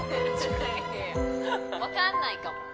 分かんないかも